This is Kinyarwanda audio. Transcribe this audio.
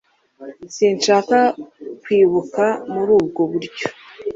Sinshaka kwibuka muri ubwo buryo